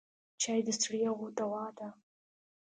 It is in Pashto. چای د ستړیاوو دوا ده.